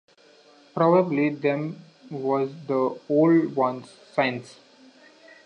Prob'ly them was the Old Ones' signs.